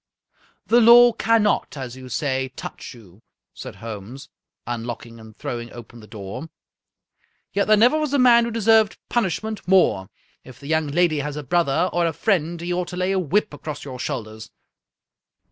" The law cannot, as you say, touch you," said Holmes, unlocking and throwing open the door, " yet there never was a man who deserved punishment more. If the young lady has a brother or a friend, he ought to lay a whip across your shoulders.